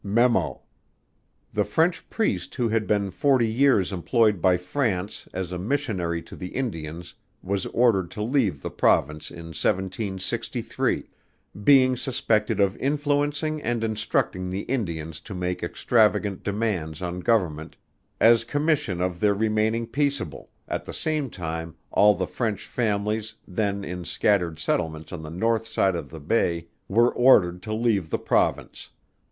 MEMO. The French Priest who had been forty years employed by France, as a Missionary to the Indians, was ordered to leave the province in 1763, being suspected of influencing and instructing the Indians to make extravagant demands on Government as commissions of their remaining peaceable, at the same time all the French families, then in scattered settlements on the north side of the bay were ordered to leave the Province.